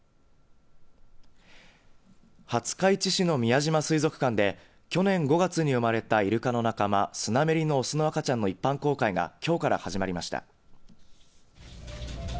廿日市市の宮島水族館で去年５月に生まれたいるかの仲間、スナメリの雄の赤ちゃんの一般公開がきょうから始まりました。